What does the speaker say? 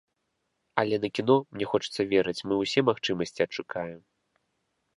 Але на кіно, мне хочацца верыць, мы ўсе магчымасці адшукаем.